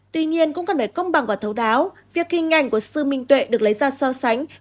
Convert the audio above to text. tuy nhiên cũng cần phải công bằng và thấu đáo việc hình ảnh của sư minh tuệ được lấy ra so sánh